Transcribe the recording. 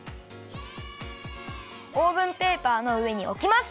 オーブンペーパーのうえにおきます。